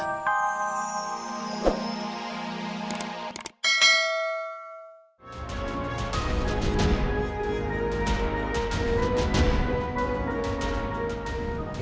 itu kan mobil hari ini